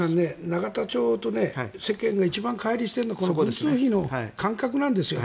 永田町と世間が一番乖離しているのは文通費の感覚なんですよ。